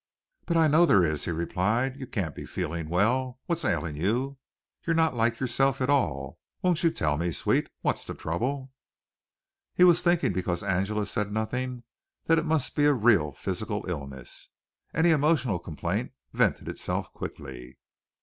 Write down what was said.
"But I know there is," he replied. "You can't be feeling well. What's ailing you? You're not like yourself at all. Won't you tell me, sweet? What's the trouble?" He was thinking because Angela said nothing that it must be a real physical illness. Any emotional complaint vented itself quickly.